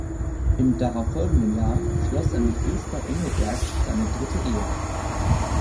Im darauf folgenden Jahr schloss er mit Esther Engelberg seine dritte Ehe.